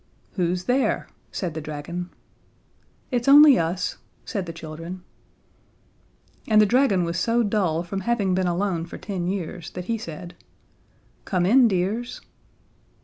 "Who's there?" said the dragon. "It's only us," said the children. And the dragon was so dull from having been alone for ten years that he said: "Come in, dears."